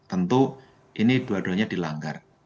tentu ini dua duanya dilanggar